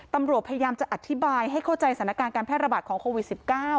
ตำรวจพยายามจะอธิบายให้เข้าใจสถานการณ์การแพร่ระบาดของโควิด๑๙